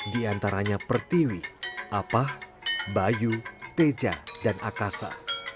di antaranya pertiwi apah bayu teja dan akasa